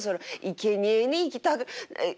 いけにえに行きたくない。